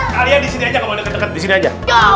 kalian disini aja